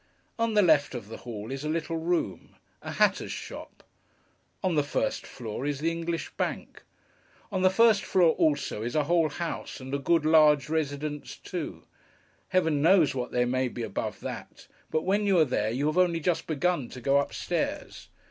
On the left of the hall is a little room: a hatter's shop. On the first floor, is the English bank. On the first floor also, is a whole house, and a good large residence too. Heaven knows what there may be above that; but when you are there, you have only just begun to go up stairs.